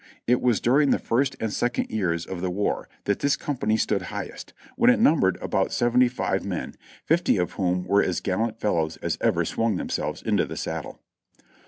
It was during the first and second years of the war that this company stood highest, when it numbered about seventy five THE BIvACK HORSE CAVALRY 419 men, fifty of whom were as gallant fellows as ever swung them selves into the saddle.